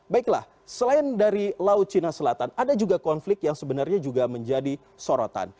baiklah selain dari laut cina selatan ada juga konflik yang sebenarnya juga menjadi sorotan